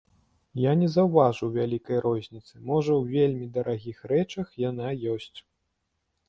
Я не заўважыў вялікай розніцы, можа, у вельмі дарагіх рэчах яна ёсць.